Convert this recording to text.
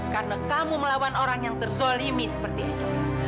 karena kamu melawan orang yang terzolimi seperti eang